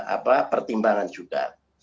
apa pertimbangan juga